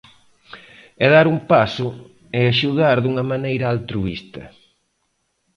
É dar un paso e axudar dunha maneira altruísta.